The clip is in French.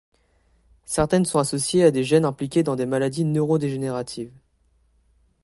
Certaines sont associées à des gènes impliqués dans des maladies neurodégénératives.